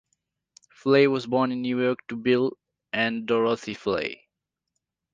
Flay was born in New York to Bill and Dorothy Flay.